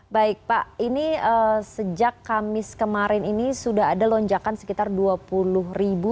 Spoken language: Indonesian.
baik pak ini sejak kamis kemarin ini sudah ada lonjakan sekitar dua puluh ribu